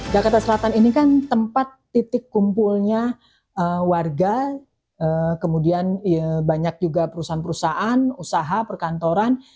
jakarta selatan ini kan tempat titik kumpulnya warga kemudian banyak juga perusahaan perusahaan usaha perkantoran